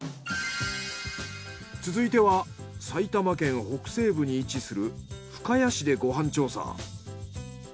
続いては埼玉県北西部に位置する深谷市でご飯調査。